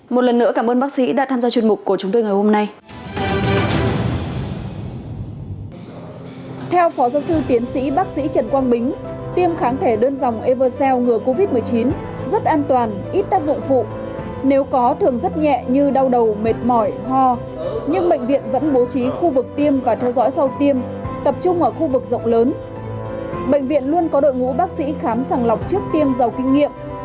một lần nữa cảm ơn bác sĩ đã tham gia chuyên mục của chúng tôi ngày hôm nay